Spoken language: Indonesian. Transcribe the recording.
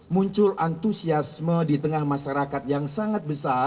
muncul antusiasme di tengah masyarakat yang sangat besar